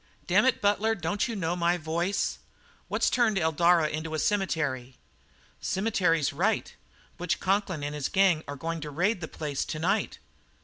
"Damn it, Butler, don't you know my voice? What's turned Eldara into a cemetery?" "Cemetery's right. 'Butch' Conklin and his gang are going to raid the place to night."